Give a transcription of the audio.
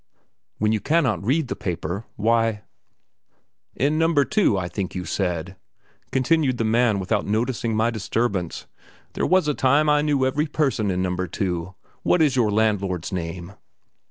"When you cannot read the paper, why " "In No. 2, I think you said," continued the man, without noticing my disturbance. "There was a time I knew every person in No. 2; what is your landlord's name?"